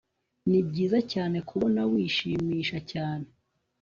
Nibyiza cyane kubona wishimisha cyane